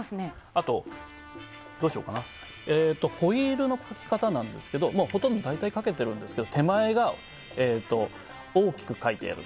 あと、ホイールの描き方なんですがほとんど大体描けているんですけど手前が大きく描いてあげる。